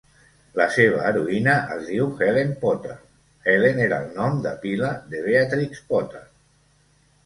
La seva heroïna es diu Helen Potter; Helen era el nom de pila de Beatrix Potter.